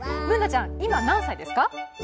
Ｂｏｏｎａちゃん、今、何歳ですか？